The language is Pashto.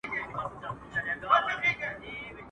چي په گرانه ئې رانيسې، په ارزانه ئې مه خرڅوه.